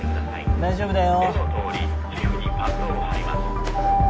大丈夫だよ。